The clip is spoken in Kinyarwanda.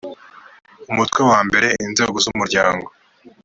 umutwe wa mbere inzego z umuryango